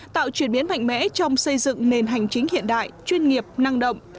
tạo chuyển biến mạnh mẽ trong xây dựng nền hành chính hiện đại chuyên nghiệp năng động